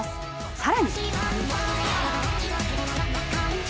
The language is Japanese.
さらに。